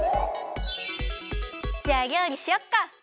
じゃありょうりしよっか。